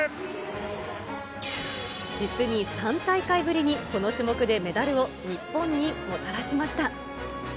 実に３大会ぶりにこの種目でメダルを日本にもたらしました。